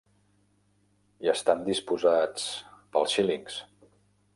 Hi estan disposats... pels xílings.